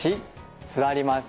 座ります。